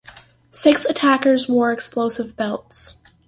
Six attackers wore explosive belts.